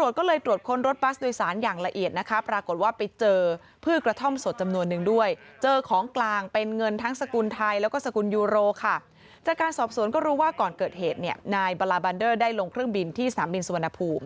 จากการสอบสวนก็รู้ว่าก่อนเกิดเหตุเนี่ยนายบาลาบันเดอร์ได้ลงเครื่องบินที่สนามบินสุวรรณภูมิ